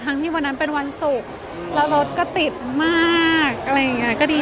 ที่วันนั้นเป็นวันศุกร์แล้วรถก็ติดมากอะไรอย่างเงี้ยก็ดี